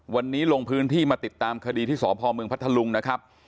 วันนี้ลงพื้นที่มาติดตามคดีที่สพเมืองพัทธลุงนะครับ